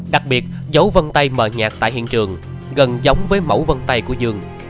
đặc biệt dấu vân tay mờ nhạt tại hiện trường gần giống với mẫu vân tay của dương